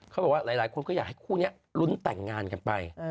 หลายคนก็อยากให้คู่นี้ลุ้นแต่งงานกันไป